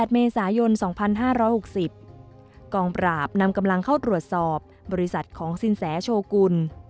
๘เมษายน๒๕๖๐กองปราบนำกำลังเข้าตรวจสอบบริษัทของสินแสโชกุล